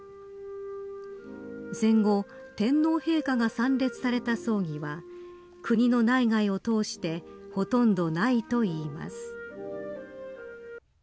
戦後、天皇陛下が参列された葬儀は国の内外を通してほとんどないといいます。